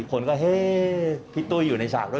คนก็เฮ้พี่ตุ้ยอยู่ในฉากด้วย